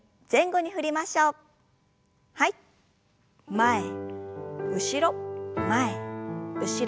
前後ろ前後ろ。